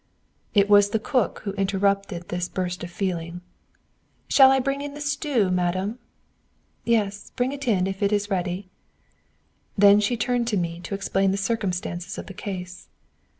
It was the cook who interrupted this burst of feeling. "Shall I bring in the stew, madame?" "Yes, bring it in, if it is ready." Then she turned to me to explain the circumstances of the case.